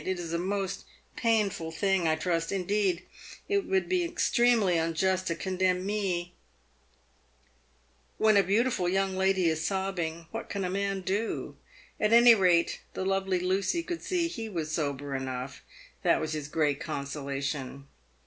It is a most painful thing — I trust — indeed — it would be extremely unjust to condemn me " "When a beautiful young lady is sobbing, what can a man do ? At any rate, the lovely Lucy could see he was sober enough. That was his great consolation.